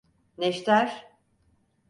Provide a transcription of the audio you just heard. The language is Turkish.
Neşter…